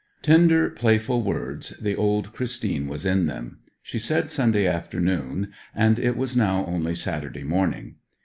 Tender playful words; the old Christine was in them. She said Sunday afternoon, and it was now only Saturday morning.